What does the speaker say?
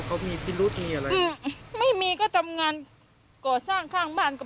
เขามีมีอะไรอืมไม่มีก็ทำงานกรดสร้างข้างบ้านก็